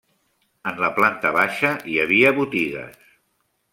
En la planta baixa hi havia botigues.